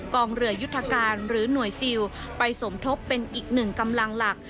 กองเรือยุทธการหรือหน่วยซิลไปสมทบเป็นอีกหนึ่งกำลังหลัก